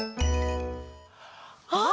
あ！